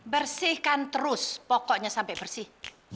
bersihkan terus pokoknya sampai bersih